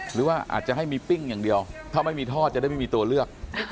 หรือว่าอาจจะให้มีปิ้งอย่างเดียวถ้าไม่มีทอดจะได้ไม่มีตัวเลือก